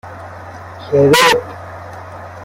کرپ